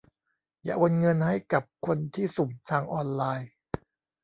อย่าโอนเงินให้กับคนที่สุ่มทางออนไลน์